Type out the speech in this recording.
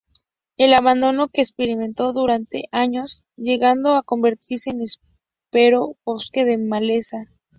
El abandono que experimentó durante años, llegando a convertirse en espeso bosque de maleza.